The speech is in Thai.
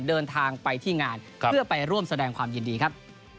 เดินทางไปที่งานเพื่อไปร่วมแสดงความยินดีครับ